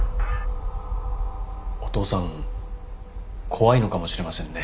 ・お父さん怖いのかもしれませんね。